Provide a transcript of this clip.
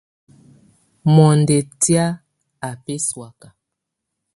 Mɔndɔ tɛ̀á á bǝsɔ̀áka.